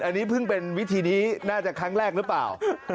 อันนี้เพิ่งเป็นวิธีนี้น่าจะครั้งแรกหรือเปล่า